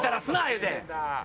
言うて。